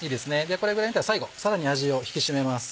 これぐらいになったら最後さらに味を引き締めます。